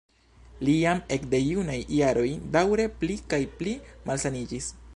Li jam ekde junaj jaroj daŭre pli kaj pli malsaniĝis.